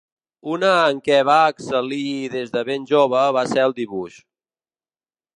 Una en què va excel·lir des de ben jove va ser el dibuix.